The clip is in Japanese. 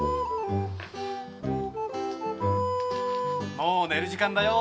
・もうねる時間だよ。